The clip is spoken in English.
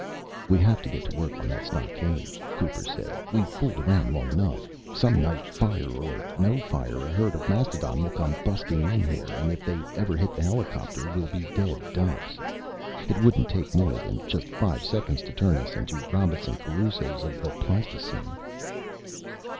"We have to get to work on that stockade," Cooper said. "We've fooled around too long. Some night, fire or no fire, a herd of mastodon will come busting in here and if they ever hit the helicopter, we'll be dead ducks. It wouldn't take more than just five seconds to turn us into Robinson Crusoes of the Pleistocene."